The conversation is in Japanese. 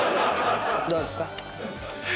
どうですか？